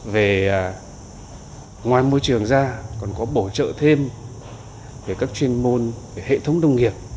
về ngoài môi trường ra còn có bổ trợ thêm về các chuyên môn về hệ thống nông nghiệp